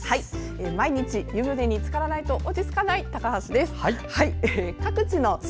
毎日、湯船につからないと落ち着かない高橋です。